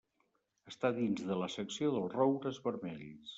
Està dins de la secció dels roures vermells.